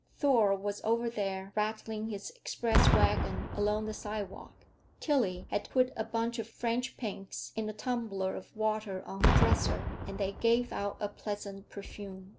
Thor was over there, rattling his express wagon along the sidewalk. Tillie had put a bunch of French pinks in a tumbler of water on her dresser, and they gave out a pleasant perfume.